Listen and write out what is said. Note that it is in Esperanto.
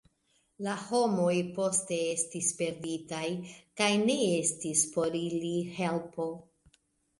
La homoj poste estis perditaj kaj ne estis por ili helpo.